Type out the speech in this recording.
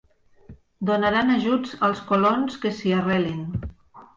Donaran ajuts als colons que s'hi arrelin.